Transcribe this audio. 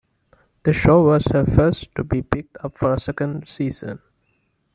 The show was her first to be picked up for a second season.